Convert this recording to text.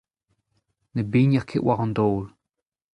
ne bigner ket war an daol.